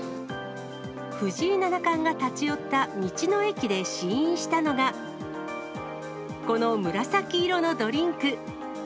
藤井七冠が立ち寄った道の駅で試飲したのが、この紫色のドリンク。